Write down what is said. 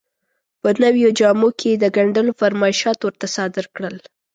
په نویو جامو کې یې د ګنډلو فرمایشات ورته صادر کړل.